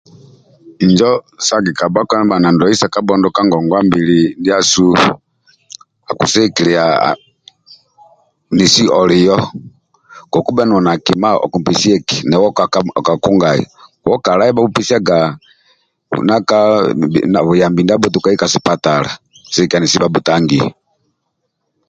Injo sagika bhakpa ndibha na ndwali sa kabhondo ka ngongwa mbili ndiasu akisigikilia nesi olio kekubhe noli nai okmpesia eki nawe okakungai kala ya bhabhupesiaga nanka buyambi ndiabho tukai ka sipatala sigikilia nesi bhabhtangio